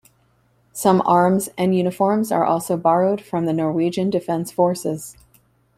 Some arms and uniforms are also borrowed from the Norwegian Defence Forces.